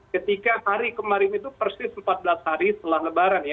ketika hari kemarin itu persis empat belas hari setelah lebaran ya